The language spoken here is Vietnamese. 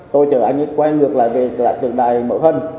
tôi chở anh ấy quay ngược lại về tượng đài mở khân